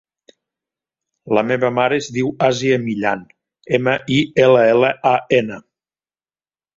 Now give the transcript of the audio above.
La meva mare es diu Àsia Millan: ema, i, ela, ela, a, ena.